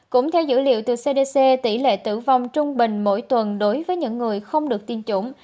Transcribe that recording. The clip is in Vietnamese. cũng theo dữ liệu từ cdc tỷ lệ tử vong trung bình mỗi tuần đối với những người không được tiêm chủng